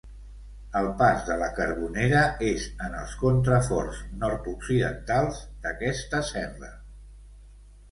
El Pas de la Carbonera és en els contraforts nord-occidentals d'aquesta serra.